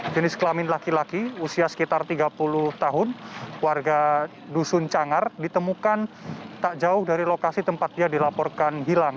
dusun cangar ditemukan tak jauh dari lokasi tempatnya dilaporkan hilang